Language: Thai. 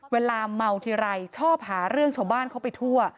เวลาเมาทีไรชอบหาเรื่องชาวบ้านเขาไปทั่ว